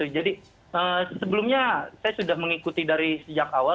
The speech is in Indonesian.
jadi sebelumnya saya sudah mengikuti dari sejak awal